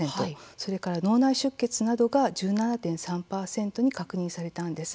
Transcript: それから脳内出血などが１７．３％に確認されたんです。